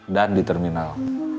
dan di terminal